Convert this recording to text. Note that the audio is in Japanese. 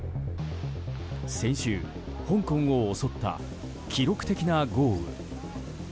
先週、香港を襲った記録的な豪雨。